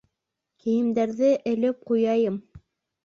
Кейемдәрҙе элеп ҡуяйым.